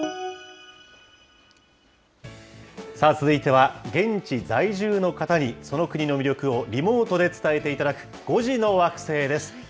続いては、現地在住の方に、その国の魅力をリモートで伝えていただく、５時の惑星です。